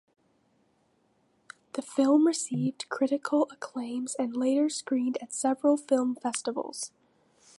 The film received critical acclaim and later screened at several film festivals.